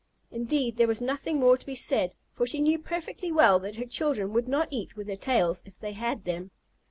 Indeed, there was nothing more to be said, for she knew perfectly well that her children would not eat with their tails if they had them.